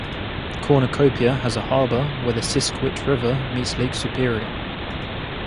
Cornucopia has a harbor where the Siskiwit River meets Lake Superior.